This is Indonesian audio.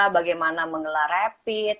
bagaimana mengelar rapid